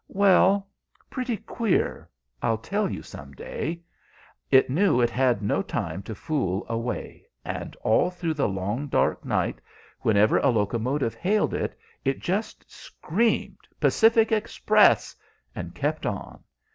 "Well, pretty queer; I'll tell you some day. It knew it had no time to fool away, and all through the long, dark night, whenever, a locomotive hailed it, it just screamed, 'Pacific Express!' and kept on.